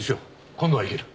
今度はいける。